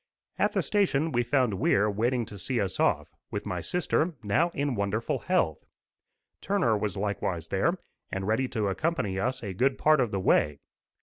At the station we found Weir waiting to see us off, with my sister, now in wonderful health. Turner was likewise there, and ready to accompany us a good part of the way.